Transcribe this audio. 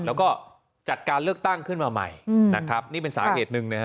แล้วก็จัดการเลือกตั้งขึ้นมาใหม่นะครับนี่เป็นสาเหตุหนึ่งนะฮะ